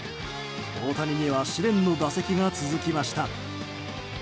大谷には試練の打席が続きました。